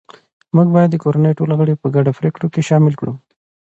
موږ باید د کورنۍ ټول غړي په ګډو پریکړو کې شامل کړو